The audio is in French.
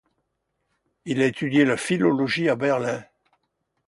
Il a étudié la philologie à Berlin.